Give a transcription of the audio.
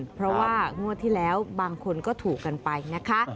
เพราะว่างวดที่แล้วบางคนก็ถูกกันไปนะคะ